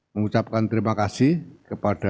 mengucapkan terima kasih kepada